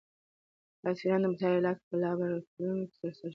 دا څېړنه د متحده ایالتونو په لابراتورونو کې ترسره شوه.